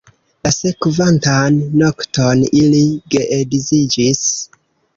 La sekvantan nokton ili geedziĝis.